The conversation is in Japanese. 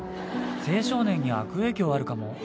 青少年に悪影響あるかも。